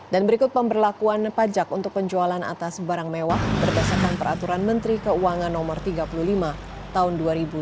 dan berikut pemberlakuan pajak untuk penjualan atas barang mewah berdasarkan peraturan menteri keuangan no tiga puluh lima tahun dua ribu tujuh belas